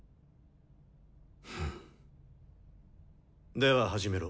では始めろ。